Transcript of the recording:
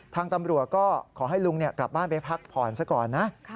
ทางตำรวจก็ขอให้ลุงกลับบ้านไปพักผ่อนซะก่อนนะ